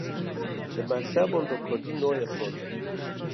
Di mekteban de Kurdî nayê xwendin